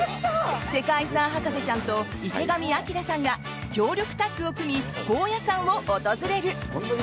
世界遺産博士ちゃんと池上彰さんが強力タッグを組み高野山を訪れる。